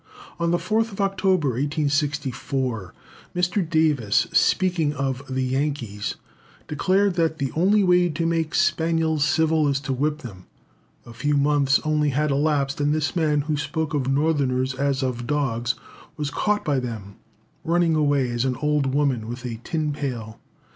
On the 4th October, 1864, Mr. Davis, speaking of "the Yankees," declared that "the only way to make spaniels civil is to whip them." A few months only had elapsed, and this man who spoke of Northerners as of dogs, was caught by them running away as an old woman with a tin pail.